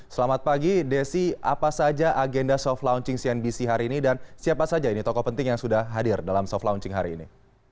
selamat pagi desi apa saja agenda soft launching cnbc hari ini dan siapa saja ini tokoh penting yang sudah hadir dalam soft launching hari ini